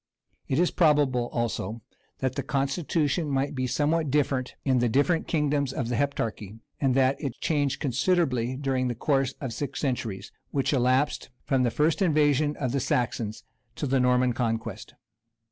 It is probable, also, that the constitution might be somewhat different hi the different kingdoms of the Heptarchy, and that it changed considerably during the course of six centuries, which elapsed from the first invasion of the Saxons till the Norman conquest.